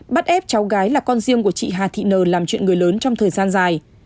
bắt ép cháu gái là con riêng của chị hà thị nờ làm chuyện người lớn trong thời gian dài